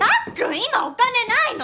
今お金ないの！